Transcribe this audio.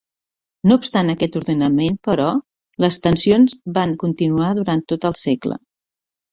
No obstant aquest ordenament però, les tensions van continuar durant tot el segle.